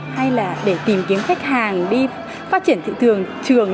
hay là để tìm kiếm khách hàng đi phát triển thị trường